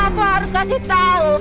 aku harus kasih tahu